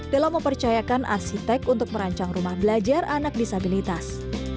dalam mempercayakan arsitek untuk merancang rumah belajar anak disabilitas